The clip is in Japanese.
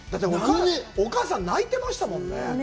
お母さん、泣いてましたもんね。